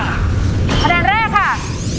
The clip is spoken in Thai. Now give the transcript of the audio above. คะแนนแรกา